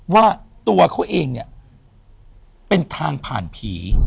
ว่าตัวเขาเองเนี่ยเป็นทางผ่านผี